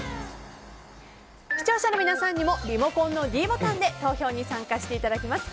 視聴者の皆さんにもリモコンのｄボタンで投票に参加していただきます。